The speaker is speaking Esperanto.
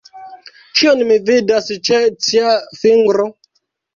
Kion mi vidas ĉe cia fingro?